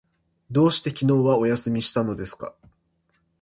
どうして昨日はお休みしたのですか？